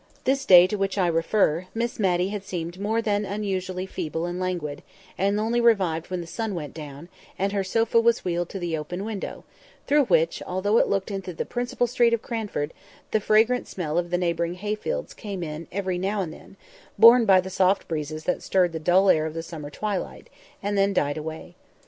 This day to which I refer, Miss Matty had seemed more than usually feeble and languid, and only revived when the sun went down, and her sofa was wheeled to the open window, through which, although it looked into the principal street of Cranford, the fragrant smell of the neighbouring hayfields came in every now and then, borne by the soft breezes that stirred the dull air of the summer twilight, and then died away.